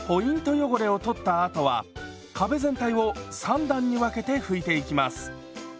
汚れを取ったあとは壁全体を３段に分けて拭いていきます。